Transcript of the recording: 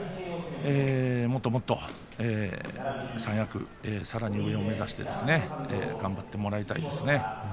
もっともっと上を目指して頑張ってもらいたいです。